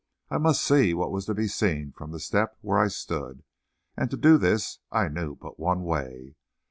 I must see what was to be seen from the step where I stood, and to do this I knew but one way.